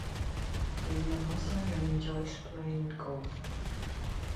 He is a Muslim and enjoys playing golf.